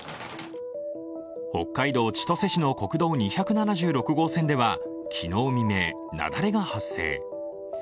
北海道千歳市の国道２７６号線では昨日未明、雪崩が発生。